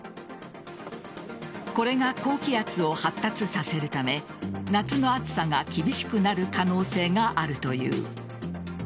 これが高気圧を発達させるため夏の暑さが厳しくなる可能性があるという。